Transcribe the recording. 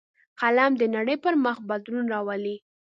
قلم د نړۍ پر مخ بدلون راولي